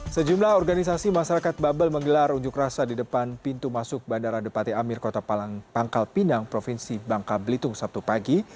sejumlah organisasi masyarakat babel menggelar unjuk rasa di depan pintu masuk bandara depati amir kota pangkal pinang provinsi bangka belitung sabtu pagi